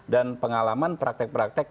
dan pengalaman praktek praktek